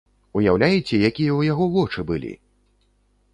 Уяўляеце, якія ў яго вочы былі!